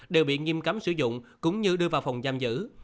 đều bị nghiêm cấm sử dụng cũng như đưa vào phòng giam giữ